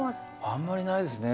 あんまりないですね。